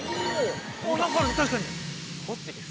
何かある、確かに。